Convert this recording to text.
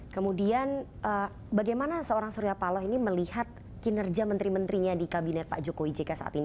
kemudian bagaimana seorang surya paloh ini melihat kinerja menteri menterinya di kabinet pak jokowi jk saat ini